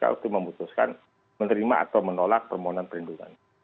waktu memutuskan menerima atau menolak permohonan perlindungan